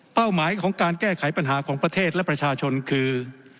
หมายของการแก้ไขปัญหาของประเทศและประชาชนคือ